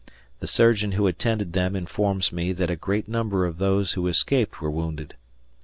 The surgeon who attended them informs me that a great number of those who escaped were wounded.